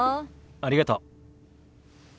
ありがとう。